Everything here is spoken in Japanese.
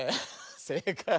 せいかい！